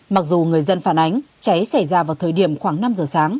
mặc dù người dân phản ánh cháy xảy ra vào thời điểm khoảng năm h ba mươi m